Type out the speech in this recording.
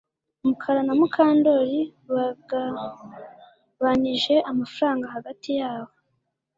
Mukara na Mukandoli bagabanije amafaranga hagati yabo